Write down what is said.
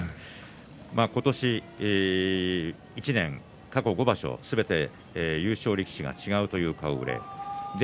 今年１年、過去５場所すべて優勝力士が違うという顔ぶれ。